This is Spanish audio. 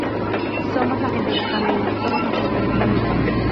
Somos la gente del camino; somos la gente del camino.